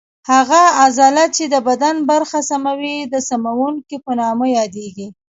هغه عضله چې د بدن برخه سموي د سموونکې په نامه یادېږي.